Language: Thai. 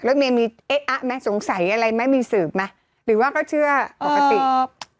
รถเมย์มีเอ๊ะอ๊ะมั้ยสงสัยอะไรมั้ยมีสืบมั้ยหรือว่าก็เชื่อปกติ